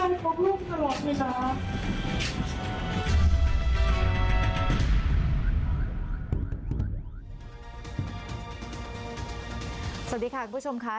สวัสดีค่ะคุณผู้ชมค่ะ